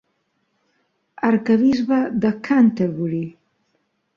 Arquebisbe de Canterbury.